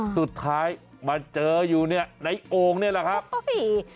สุดท้ายมันเจออยู่ในโอ่งเนี่ยละครับ